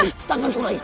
lai tanganku lai lai